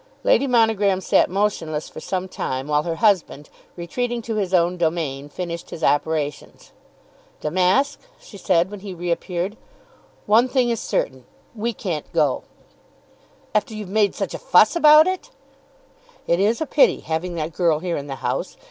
Lady Monogram sat motionless for some time, while her husband, retreating to his own domain, finished his operations. "Damask," she said, when he reappeared, "one thing is certain; we can't go." "After you've made such a fuss about it!" "It is a pity, having that girl here in the house.